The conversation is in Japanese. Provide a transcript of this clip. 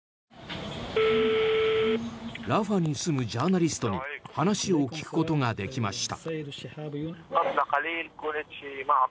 ラファに住むジャーナリストに話を聞くことができました。